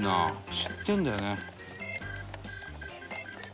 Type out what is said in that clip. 知ってるんだよね。